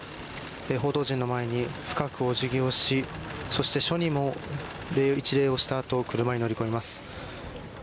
報道陣の前に深くお疑義をしそして、署にも一礼をしたあと車に乗り込みます。